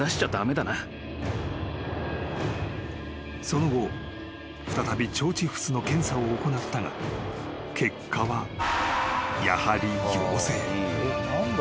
［その後再び腸チフスの検査を行ったが結果はやはり］